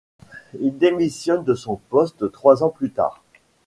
Il démissionne de son poste trois ans plus tard.